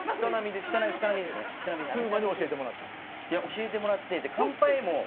教えてもらって。